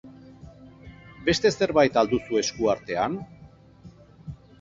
Beste zerbait al duzu esku artean?